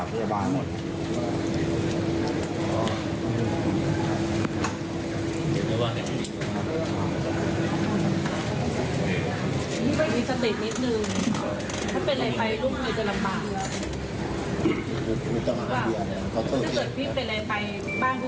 เพราะว่าลูกจะได้โตขึ้นมาแล้ว